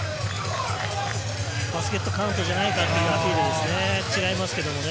バスケットカウントじゃないかというアピールですね。